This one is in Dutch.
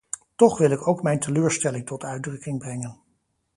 Toch wil ik ook mijn teleurstelling tot uitdrukking brengen.